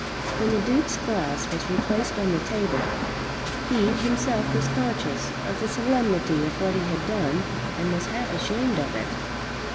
When the Duke's glass was replaced on the table, he himself was conscious of the solemnity of what he had done, and was half ashamed of it.